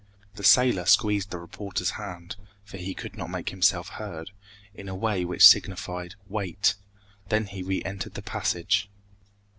The sailor squeezed the reporter's hand, for he could not make himself heard, in a way which signified "Wait!" then he reentered the passage.